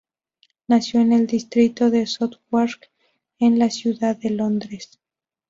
Nació en el distrito de Southwark, en la ciudad de Londres.